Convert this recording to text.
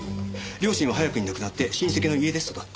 両親は早くに亡くなって親戚の家で育った。